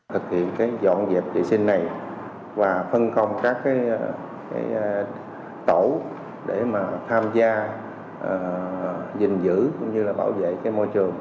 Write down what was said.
thực hiện cái dọn dẹp vệ sinh này và phân công các cái tổ để mà tham gia giành giữ cũng như là bảo vệ cái môi trường